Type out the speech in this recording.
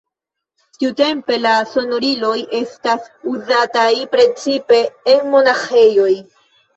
Tiutempe la sonoriloj estas uzataj precipe en monaĥejoj.